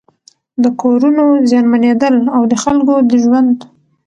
د کورونو زيانمنېدل او د خلکو د ژوند